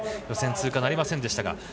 予選通過はなりませんでしたが